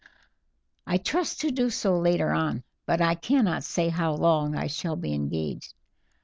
"I trust to do so later on, but I cannot say how long I shall be engaged.